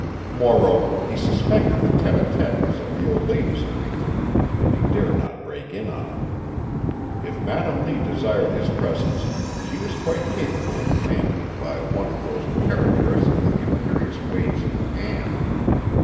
Moreover he suspected the tête à tête was of the old lady's arranging and he dared not break in on it. If Madam Lee desired his presence, she was quite capable of commanding it by one of those characteristically imperious waves of her hand.